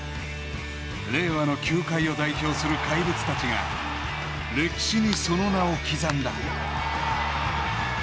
令和の球界を代表する怪物たちが歴史にその名を刻んだ。